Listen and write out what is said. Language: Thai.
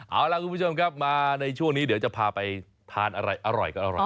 เอาล่ะคุณผู้ชมครับมาในช่วงนี้เดี๋ยวจะพาไปทานอะไรอร่อย